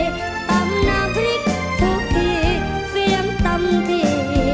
ตำน้ำพริกทุกทีเสียงตำที